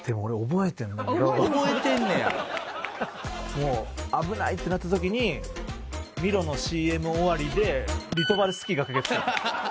もう危ない！ってなった時にミロのＣＭ終わりでリトバルスキーが駆けつけた。